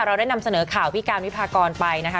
เราได้นำเสนอข่าวพี่การวิพากรไปนะคะ